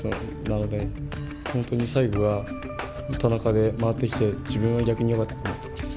なので本当に最後は田中で回ってきて自分は逆によかったって思ってます。